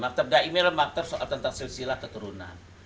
maktab adaimi adalah maktab tentang silsilah keturunan